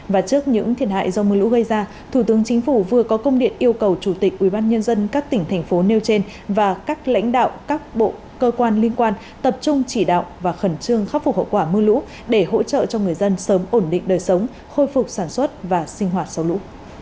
và trước những thiệt hại do mưa lũ gây ra thủ tướng chính phủ vừa có công điện yêu cầu chủ tịch ubnd các tỉnh thành phố nêu trên và các lãnh đạo các bộ cơ quan liên quan tập trung chỉ đạo và khẩn trương khắc phục hậu quả mưa lũ để hỗ trợ cho người dân sớm ổn định đời sống khôi phục sản xuất và sinh hoạt sau lũ